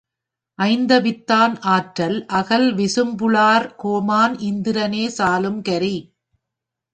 ஐந்தவித்தான் ஆற்றல் அகல்விசும்புளார் கோமான் இந்திரனே சாலும் கரி.